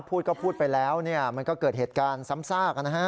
พูดก็พูดไปแล้วมันก็เกิดเหตุการณ์ซ้ำซากนะฮะ